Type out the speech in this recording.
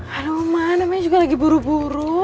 halo ma namanya juga lagi buru buru